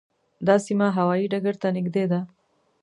دا سیمه هوايي ډګر ته نږدې ده.